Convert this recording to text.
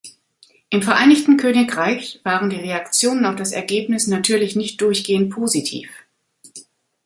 Im Vereinigten Königreich waren die Reaktionen auf das Ergebnis natürlich nicht durchgehend positiv.